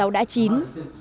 rau được đổ chín